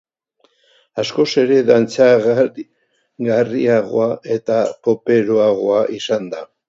Askoz ere dantzagarriagoa eta poperoagoa izango da.